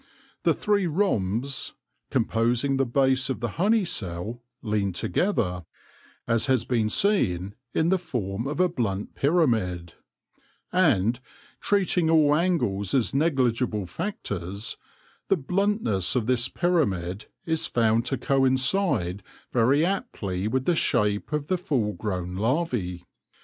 The three rhombs composing the base of the honey cell lean together, as has been seen, in the form of a blunt pyramid ; and— treating all angles as negligible factors — the bluntness of this pyramid is found to coincide very aptly with the shape of the full grown larvae.